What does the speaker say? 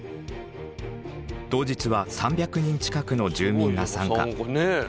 当日は３００人近くの住民が参加。